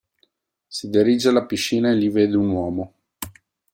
Si dirige alla piscina e lì vede un uomo.